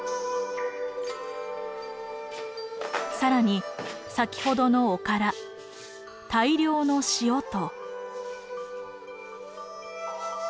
更に先ほどのおから大量の塩と。